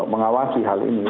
mengawasi hal ini